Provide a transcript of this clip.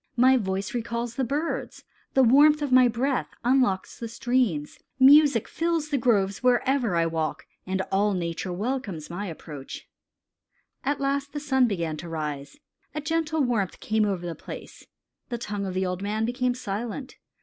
My voice recalls the birds. The warmth of my breath unlocks the streams. Music fills the groves wherever I walk, and all nature welcomes my approach." At length the sun began to rise. A gentle warmth came over the place. The tongue of the old man became silent.